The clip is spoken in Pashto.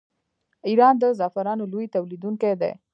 ایران د زعفرانو لوی تولیدونکی دی.